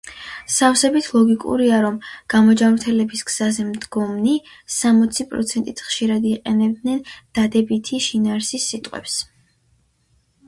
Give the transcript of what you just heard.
სავსებით ლოგიკური იყო, რომ გამოჯანმრთელების გზაზე მდგომნი, სამოცი პროცენტით ხშირად იყენებდნენ დადებითი შინაარსის სიტყვებს.